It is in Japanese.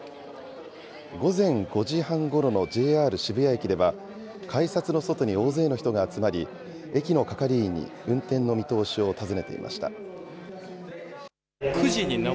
午前５時半ごろのＪＲ渋谷駅では、改札の外に大勢の人が集まり、駅の係員に運転の見通しを尋ねていました。